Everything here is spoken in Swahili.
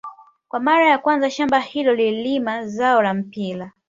Kwa mara ya kwanza shamba hilo lililima zao la mpira